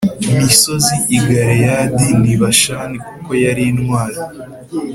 misozi i Galeyadi n i Bashani kuko yari intwari